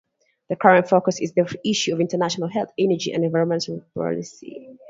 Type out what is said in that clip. The current focus is the issue of international health, energy and environmental policy.